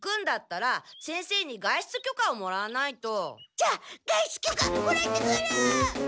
じゃあ外出きょかもらってくる！